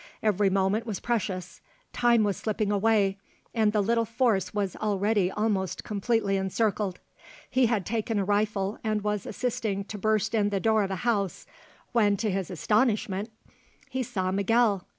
Every moment was precious; time was slipping away, and the little force was already almost completely encircled. He had taken a rifle and was assisting to burst in the door of a house, when to his astonishment he saw Miguel.